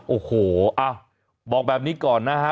โอ้โหบอกแบบนี้ก่อนนะฮะ